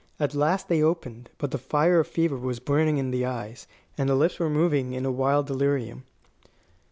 At last they opened; but the fire of fever was burning in the eyes, and the lips were moving in a wild delirium.